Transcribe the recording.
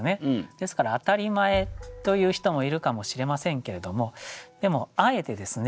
ですから当たり前と言う人もいるかもしれませんけれどもでもあえてですね